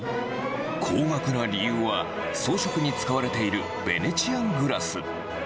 高額な理由は、装飾に使われているベネチアングラス。